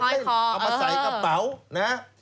เอามาใส่กระเป๋านะ